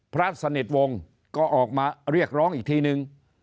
พระสนิทวงศ์ก็ออกมาเรียกร้องอีกทีนึง